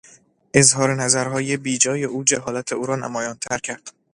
اظهار نظرهای بیجای او جهالت او را نمایانتر کرد.